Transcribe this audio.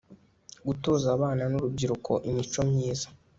gutoza abana n urubyiruko imico myiza